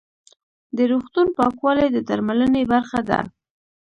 د روغتون پاکوالی د درملنې برخه ده.